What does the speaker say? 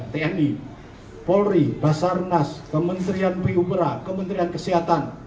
tni polri basarnas kementerian pupera kementerian kesehatan